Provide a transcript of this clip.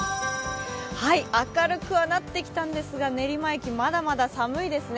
明るくはなってきたんですが練馬駅、まだまだ寒いですね。